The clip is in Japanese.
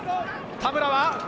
田村は。